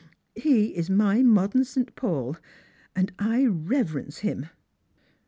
He is my modern St. Paul, and I reverence him."